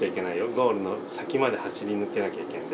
ゴールの先まで走り抜けなきゃいけんで。